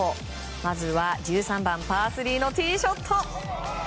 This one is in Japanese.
まずは１３番、パー３のティーショット。